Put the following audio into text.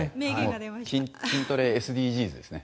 筋トレＳＤＧｓですね。